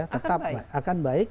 tetap akan baik